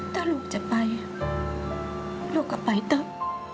ถ้าลูกจะไปลูกก็ไปเถอะ